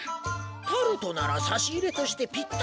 タルトなら差し入れとしてぴったりなのにゃ。